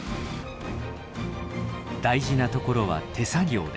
大事なところは手作業で。